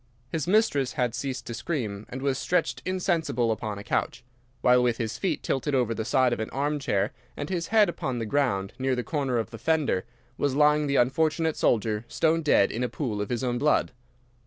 His mistress had ceased to scream and was stretched insensible upon a couch, while with his feet tilted over the side of an armchair, and his head upon the ground near the corner of the fender, was lying the unfortunate soldier stone dead in a pool of his own blood.